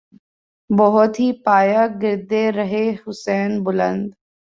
بہت ہے پایۂ گردِ رہِ حسین بلند